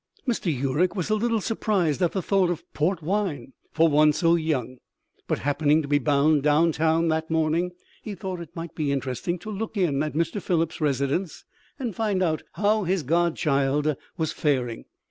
Mr. Urwick was a little surprised at the thought of port wine for one so young, but happening to be bound down town that morning he thought it might be interesting to look in at Mr. Phillips' residence and find out how his godchild was faring.